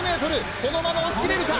このまま押し切れるか？